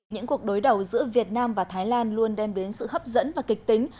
những cuộc đối đầu giữa việt nam và thái lan luôn đem đến sự hấp dẫn và kịch tính